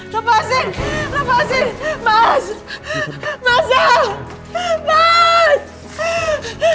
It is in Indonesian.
lepasin lepasin mas mas mas